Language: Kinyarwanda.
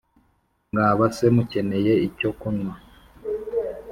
” Mwaba se mukeneye icyo kunywa?”